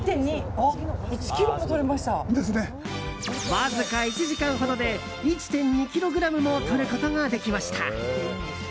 わずか１時間ほどで１．２ｋｇもとることができました。